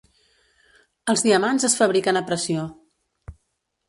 Els diamants es fabriquen a pressió.